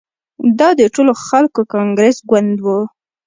دا د ټولو خلکو کانګرس ګوند وو.